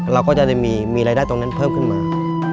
เราก็จะมีรายได้ตรงนั้นเพิ่มขึ้นมา